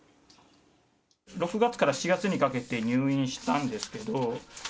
６月から７月にかけて入院したんですけど。